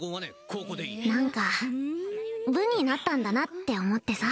ここでいい何か部になったんだなって思ってさ